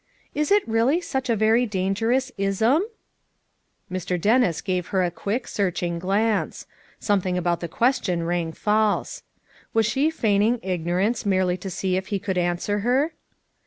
"Is it really such a very dangerous 'ism!" Mr. Dennis gave her a quick, searching FOUR MOTHERS AT CHAUTAUQUA 329 glance; something about the question rang false. Was she feigning ignorance merely to see if he could answer her?